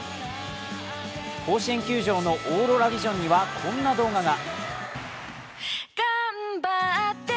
甲子園球場のオーロラビジョンにはこんな動画が。